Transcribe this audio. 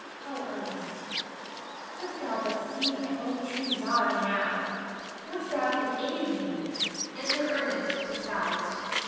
Oh, Ernest, couldst thou but see thy own true Zara now! Wouldst thou could aid me! [Enter Ernest disguised.